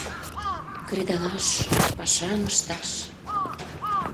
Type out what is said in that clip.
Кредалаш, пашам ышташ...